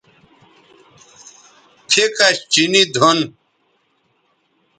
پھیکش چینی دُھن